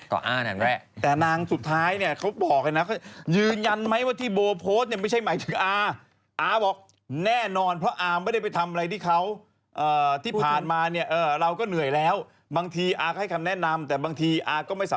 ก่ออ่านั่นแหละถ้าเป็นใครล่ะก็คงอ่า